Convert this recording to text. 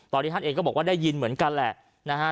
ตอนนี้ท่านเองก็บอกว่าได้ยินเหมือนกันแหละนะฮะ